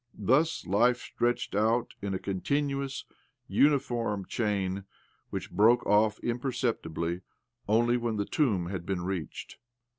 Thus life stretched out in a con tinuous, uniform chain which broke off imperceptibly only when the tomb had been reached.